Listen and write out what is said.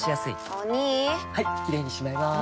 お兄はいキレイにしまいます！